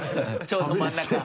ちょうど真ん中。